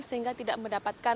sehingga tidak mendampingkan